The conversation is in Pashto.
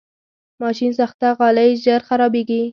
ماشینساخته غالۍ ژر خرابېږي.